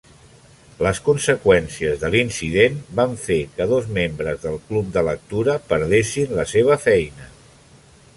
Les conseqüències de l'incident van fer que dos membres del club de lectura perdessin la seva feina.